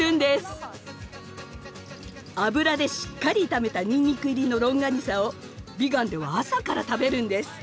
油でしっかり炒めたニンニク入りのロンガニサをビガンでは朝から食べるんです。